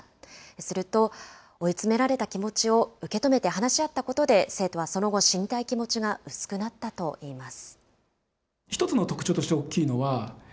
すると、追い詰められた気持ちを受け止めて話し合ったことで、生徒はその後、死にたい気持ちが薄くなったといいます。